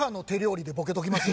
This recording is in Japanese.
ボケときます？